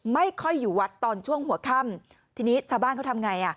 ไม่ค่อยอยู่วัดตอนช่วงหัวค่ำทีนี้ชาวบ้านเขาทำไงอ่ะ